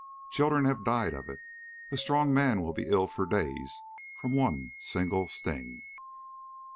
Children have died of it. A strong man will be ill for days from one single sting."